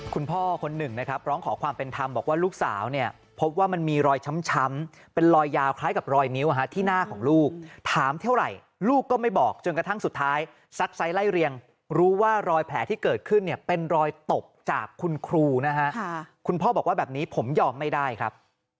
คุณพ่อคนหนึ่งนะครับร้องขอความเป็นธรรมบอกว่าลูกสาวเนี่ยพบว่ามันมีรอยช้ำเป็นรอยยาวคล้ายกับรอยนิ้วที่หน้าของลูกถามเท่าไหร่ลูกก็ไม่บอกจนกระทั่งสุดท้ายซักไซส์ไล่เรียงรู้ว่ารอยแผลที่เกิดขึ้นเนี่ยเป็นรอยตบจากคุณครูนะฮะคุณพ่อบอกว่าแบบนี้ผมยอมไม่ได้ครับ